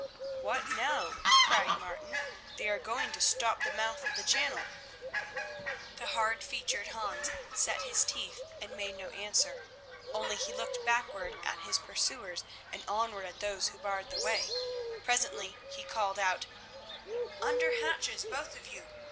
"What now?" cried Martin. "They are going to stop the mouth of the channel." The hard featured Hans set his teeth and made no answer. Only he looked backward at his pursuers and onward at those who barred the way. Presently he called aloud: "Under hatches, both of you.